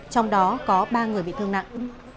trong đó có ba người bị thương nặng